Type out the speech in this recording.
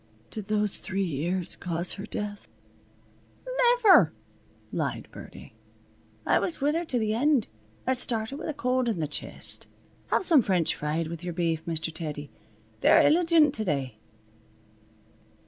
Did those three years cause her death?" "Niver!" lied Birdie. "I was with her to the end. It started with a cold on th' chest. Have some French fried with yer beef, Mr. Teddy. They're illigent to day."